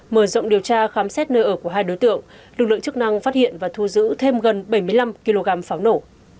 mở rộng điều tra khám xét nơi ở của hai đối tượng lực lượng chức năng phát hiện và thu giữ thêm gần bảy mươi năm kg pháo nổ